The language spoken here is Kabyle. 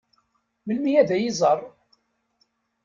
Melmi ad iyi-iẓeṛ?